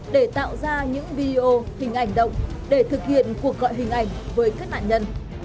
để tạo ra những video hình ảnh động để thực hiện cuộc gọi hình ảnh với các nạn nhân